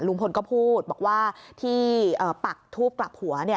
ลุงพลก็พูดบอกว่าที่ปักทูบกลับหัว